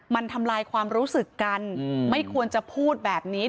มันทำลายความรู้สึกกันไม่ควรจะพูดแบบนี้